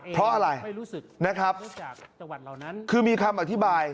เพราะอะไรนะครับคือมีคำอธิบาย